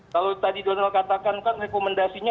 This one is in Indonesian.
kalau tadi donald katakan kan rekomendasinya